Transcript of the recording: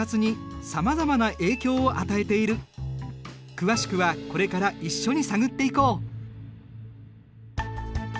詳しくはこれから一緒に探っていこう。